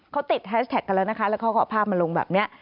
เขาติดแฮชแท็กกันแล้วนะคะแล้วเขาก็เอาภาพมาลงแบบนี้